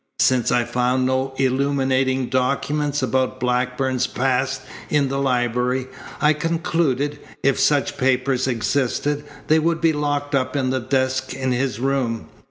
Since I found no illuminating documents about Blackburn's past in the library, I concluded, if such papers existed, they would be locked up in the desk in his room.